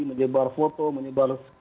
menyebar foto menyebar